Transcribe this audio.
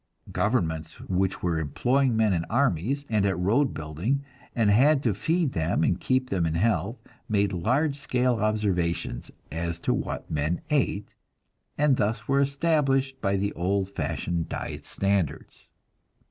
Governments which were employing men in armies, and at road building, and had to feed them and keep them in health, made large scale observations as to what the men ate, and thus were established the old fashioned "diet standards."